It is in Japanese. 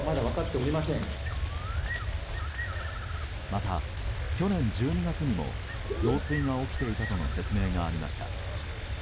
また、去年１２月にも漏水が起きていたとの説明がありました。